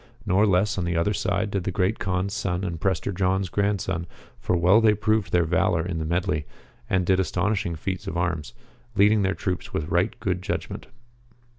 Nor less on the other side did the Great Kaan's son and Prester John's grandson, for well they proved their valour in the medley, and did astonishing feats of arms, leading their troops with right good judg ment.